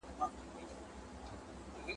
او ویډیوګاني خپرې سوې ..